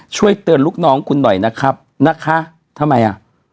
ช่วยเตือนลูกน้องคุณหน่อยนะครับนะคะทำไมอ่ะ